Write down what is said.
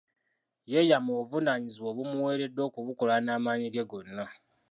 Yeeyama obuvunaanyizibwa obumuweereddwa okubukola n’amaanyi ge gonna.